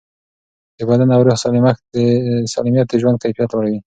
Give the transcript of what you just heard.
د بدن او روح سالمیت د ژوند کیفیت لوړوي.